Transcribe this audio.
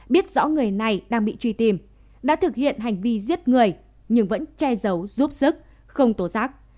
biết rõ người này đang bị truy tìm đã thực hiện hành vi giết người nhưng vẫn che giấu giúp sức không tố giác